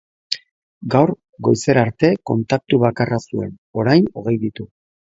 Gaur goizerarte kontaktu bakarra zuen, orain hogei ditu.